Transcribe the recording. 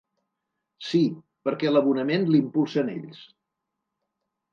Sí, perquè l’abonament l’impulsen ells.